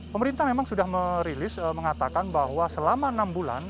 pemerintah memang sudah merilis mengatakan bahwa selama enam bulan